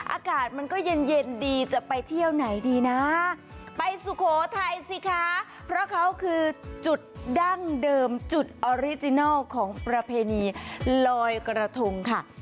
อากาศมันก็เย็นเย็นดีจะไปเที่ยวไหนดีนะไปสุโขทัยสิคะเพราะเขาคือจุดดั้งเดิมจุดออริจินัลของประเพณีลอยกระทงค่ะ